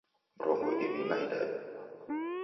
Mrongo iw'i na idadu